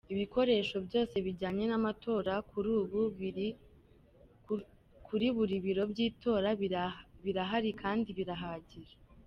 Ibikoresho byose bijyanye n’amatora kuri buri biro byitora birahari kandi birahagije.